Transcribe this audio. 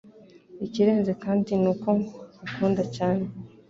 Ikirenze kandi ni uko nkukunda cyane